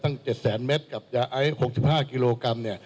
ตั้ง๗๐๐๐๐๐เมตรกับยาไอฯ๖๕กิโลกรัม